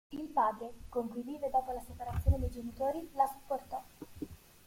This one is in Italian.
Il padre, con cui vive dopo la separazione dei genitori, la supportò.